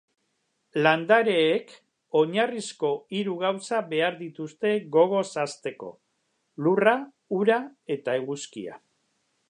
Landareek oinarrizko hiru gauza behar dituzte gogoz hazteko: lurra, ura eta eguzkia.